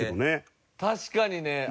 確かにね。